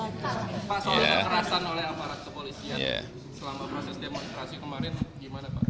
pak soal kekerasan oleh aparat kepolisian selama proses demonstrasi kemarin gimana pak